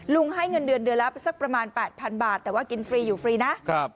ให้เงินเดือนเดือนละสักประมาณ๘๐๐๐บาทแต่ว่ากินฟรีอยู่ฟรีนะ